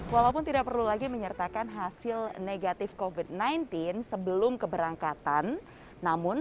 walaupun tidak perlu lagi menyertakan hasil negatif covid sembilan belas sebelum keberangkatan namun